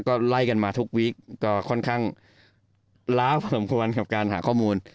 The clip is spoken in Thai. ก็ไล่กันมาทุกวีคก็ค่อนข้างล้าพอสมควรกับการหาข้อมูล